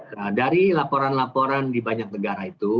nah dari laporan laporan di banyak negara itu